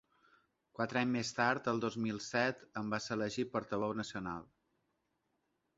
Quatre anys més tard, el dos mil set, en va ser elegit portaveu nacional.